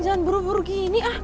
jangan buru buru gini